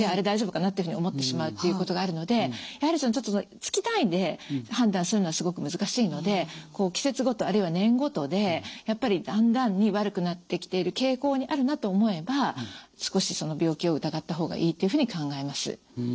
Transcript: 大丈夫かな」っていうふうに思ってしまうっていうことがあるのでやはりそのちょっと月単位で判断するのはすごく難しいので季節ごとあるいは年ごとでやっぱりだんだんに悪くなってきている傾向にあるなと思えば少しその病気を疑った方がいいっていうふうに考えます。